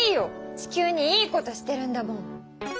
地球にいいことしてるんだもん！